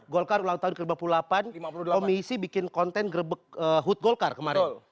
golkar ulang tahun ke lima puluh delapan komisi bikin konten grebek hut golkar kemarin